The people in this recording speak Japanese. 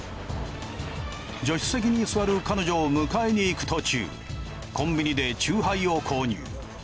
助手席に座る彼女を迎えにいく途中コンビニでチューハイを購入。